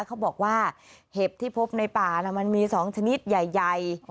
เขาบอกว่าเห็บที่พบในป่ามันมี๒ชนิดใหญ่